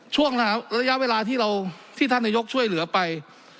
ช่วงระยะเวลาที่ท่านนายกช่วยเหลือไป